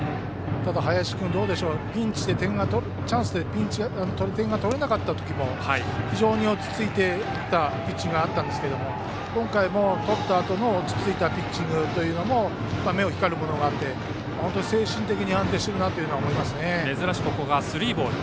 ただ、林君チャンスで点が取れなかった時も非常に落ち着いていたピッチングがあったんですが今回も、取ったあとの落ち着いたピッチングというのも目を引くものがあって精神的に安定しているなと思いますね。